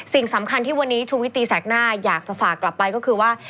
สิ่งสำคัญที่วันนี้ชูวิตตีแสกหน้าอยากจะฝากกลับไปก็คือว่า